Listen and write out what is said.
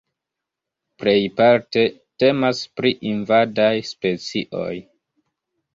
Plejparte temas pri invadaj specioj.